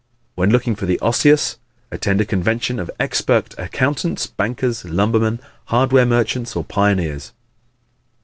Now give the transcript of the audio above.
When looking for the Osseous attend a convention of expert accountants, bankers, lumbermen, hardware merchants or pioneers.